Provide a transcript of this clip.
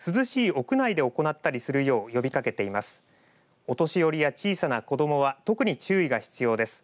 お年寄りや小さな子どもは特に注意が必要です。